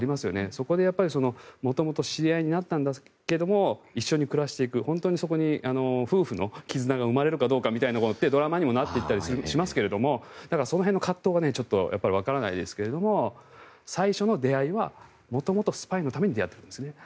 そこで元々知り合いになったんだけれども一緒に暮らしていく本当にそこに夫婦のきずなが生まれるのかどうかってドラマにもなったりしますがその辺の葛藤はちょっとわからないですけど最初の出会いは元々、スパイのために出会ったんですね。